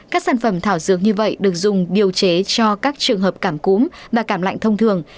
các sản phẩm thảo dược như vậy được dùng điều chế cho các trường hợp cảm cúm và cảm lạnh thông thường